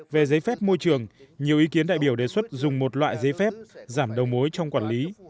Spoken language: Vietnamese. về giấy phép môi trường nhiều ý kiến đại biểu đề xuất dùng một loại giấy phép giảm đầu mối trong quản lý